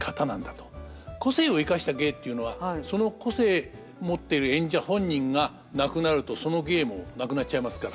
個性をいかした芸っていうのはその個性もってる演者本人が亡くなるとその芸もなくなっちゃいますから。